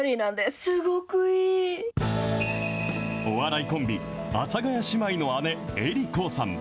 お笑いコンビ、阿佐ヶ谷姉妹の姉、江里子さん。